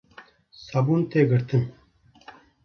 Sabûn tê girtin